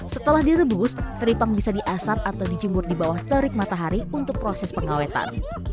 setelah direbus teripang bisa diasar atau dijemur di bawah terik matahari untuk proses pengawetan